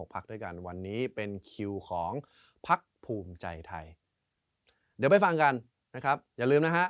ภักดิ์ภูมิใจไทยเดี๋ยวไปฟังกันนะครับอย่าลืมนะฮะ